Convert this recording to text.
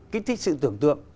kích thích sự tưởng tượng